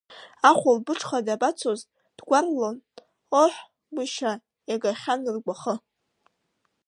Ахәылбыҽха дабацоз, дгәарлон, оҳ, гәышьа, иагахьан ргәахы.